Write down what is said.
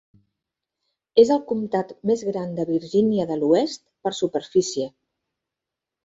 És el comtat més gran de Virgínia de l'Oest per superfície.